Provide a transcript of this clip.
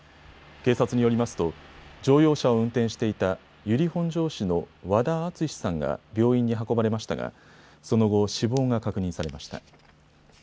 警察によりますと乗用車を運転していた由利本荘市の和田篤さんが病院に運ばれましたがその後、死亡が確認されました。